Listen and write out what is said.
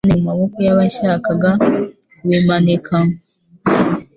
Ibyo bisambo byateraga amahane mu maboko y'abashaka kubimanika;